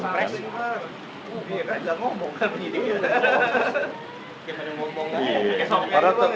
oh dia kan tidak ngomong kan begini